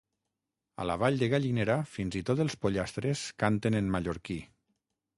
A la Vall de Gallinera fins i tot els pollastres canten en mallorquí.